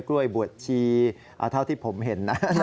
กล้วยบวชชีเท่าที่ผมเห็นนะ